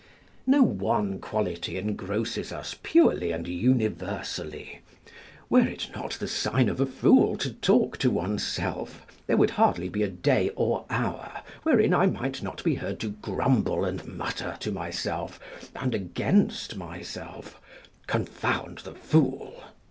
No one quality engrosses us purely and universally. Were it not the sign of a fool to talk to one's self, there would hardly be a day or hour wherein I might not be heard to grumble and mutter to myself and against myself, "Confound the fool!"